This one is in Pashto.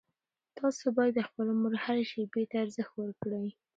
تاسو باید د خپل عمر هرې شېبې ته ارزښت ورکړئ.